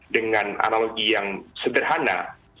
dengan analogi yang sederhana